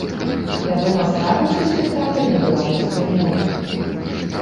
Вядома ставіўся спектакль на беларускай мове.